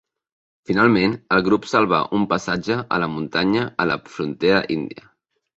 Finalment, el grup salva un passatge a la muntanya a la frontera índia.